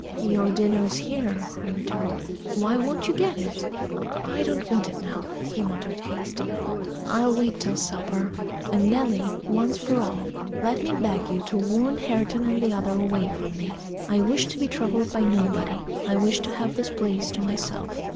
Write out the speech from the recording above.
"Your dinner is here," I returned: "why won't you get it?" "I don't want it now," he muttered hastily. "I'll wait till supper. And, Nelly, once for all, let me beg you to warn Hareton and the other away from me. I wish to be troubled by nobody I wish to have this place to myself."